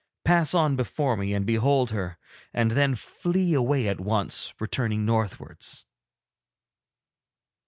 Pass on before me and behold her, and then flee away at once, returning northwards.'